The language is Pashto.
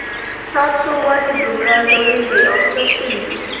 تاسو ولې دومره ځوریږئ او څه شوي دي